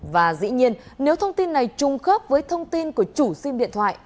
và dĩ nhiên nếu thông tin này trùng khớp với thông tin của chủ xin điện thoại